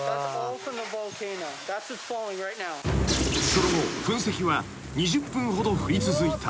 ［その後噴石は２０分ほど降り続いた］